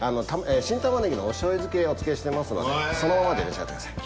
新タマネギのお醤油漬けお付けしてますのでそのままで召し上がってください。